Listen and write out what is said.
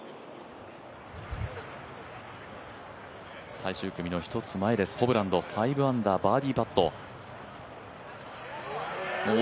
最終組の１つ前です、ホブランド５アンダー、バーディーパット。